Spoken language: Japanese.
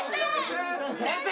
先生！